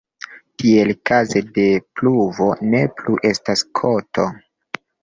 Tiel kaze de pluvo ne plu estas koto.